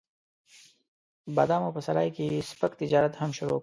د بادامو په سرای کې یې سپک تجارت هم شروع کړ.